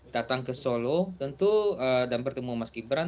datang ke solo tentu dan bertemu mas gibran